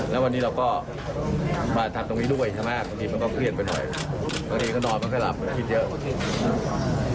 แล้วพิศาสตร์ที่มันก็เครียดไปหน่อยคือเรื่องนอนมันก็ไม่หลับครับ